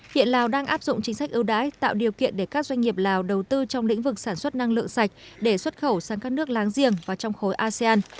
hiện lào đang áp dụng chính sách ưu đãi tạo điều kiện để các doanh nghiệp lào đầu tư trong lĩnh vực sản xuất năng lượng sạch để xuất khẩu sang các nước láng giềng và trong khối asean